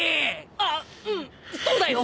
あっうんそうだよ。